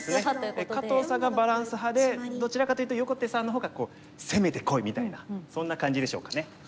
加藤さんがバランス派でどちらかというと横手さんの方が攻めてこいみたいなそんな感じでしょうかね。